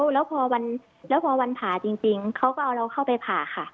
แล้วพอแล้วพอวันผ่าจริงเขาก็เอาเราเข้าไปผ่าค่ะ